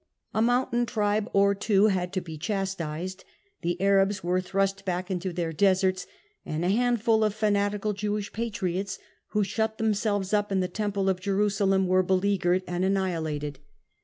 A mountain tribe or two had to be chastised, the Arabs were thrust back into their deserts, and a handful of fanatical Jewish patriots, who shut themselves up in the temple of Jeru salem, were beleaguered and annihilated.